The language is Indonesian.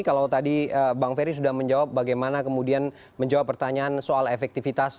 kalau tadi bank feri sudah menjawab bagaimana kemudian menjawab pertanyaan soal efektifitas